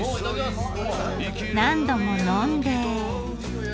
何度も呑んで。